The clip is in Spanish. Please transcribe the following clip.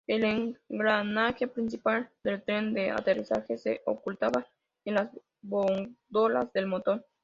El engranaje principal del tren de aterrizaje se ocultaba en las góndolas del motor.